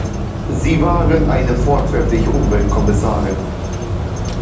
Sie waren eine vortreffliche Umweltkommissarin.